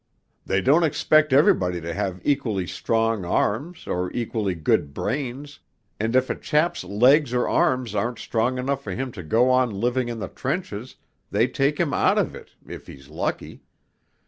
'They don't expect everybody to have equally strong arms or equally good brains; and if a chap's legs or arms aren't strong enough for him to go on living in the trenches they take him out of it (if he's lucky).